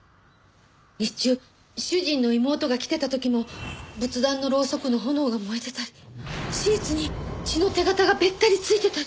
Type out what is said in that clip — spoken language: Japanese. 日中主人の妹が来てた時も仏壇のろうそくの炎が燃えてたりシーツに血の手形がべったり付いてたり。